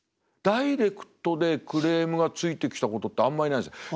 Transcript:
ダイレクトでクレームがついてきたことってあんまりないです。